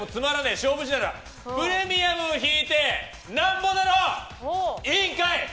勝負師ならプレミアムを引いて何ぼだろう、委員会！